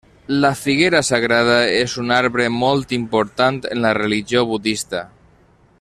La figuera sagrada és un arbre molt important en la religió budista.